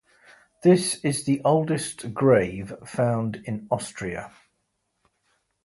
This is the oldest grave found in Austria.